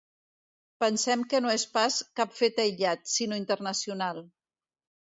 Pensem que no és pas cap fet aïllat, sinó internacional.